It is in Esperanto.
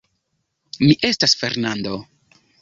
Mi estas Fernando.